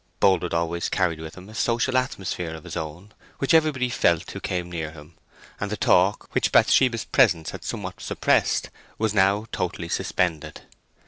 Boldwood always carried with him a social atmosphere of his own, which everybody felt who came near him; and the talk, which Bathsheba's presence had somewhat suppressed, was now totally suspended.